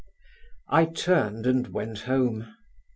I turned and went home.